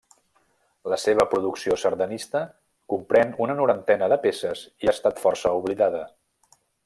La seva producció sardanista comprèn una norantena de peces i ha estat força oblidada.